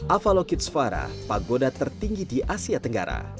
avalokitsvara pagoda tertinggi di asia tenggara